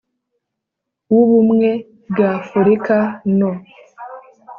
W ubumwe bw afurika no